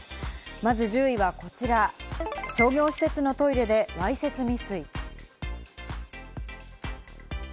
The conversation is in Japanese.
まず１０位はこちら、商業施設のトイレでわいせつ未遂。